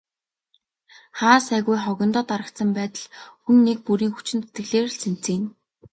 Хаа сайгүй хогондоо дарагдсан байдал хүн нэг бүрийн хүчин зүтгэлээр л цэмцийнэ.